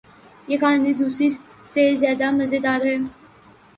یہ کہانی دوسرے سے زیادو مزیدار ہے